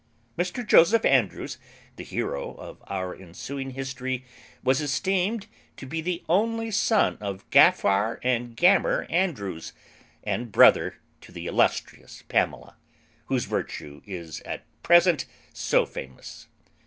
_ Mr Joseph Andrews, the hero of our ensuing history, was esteemed to be the only son of Gaffar and Gammer Andrews, and brother to the illustrious Pamela, whose virtue is at present so famous.